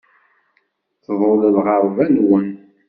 Tḍul lɣerba-nwen.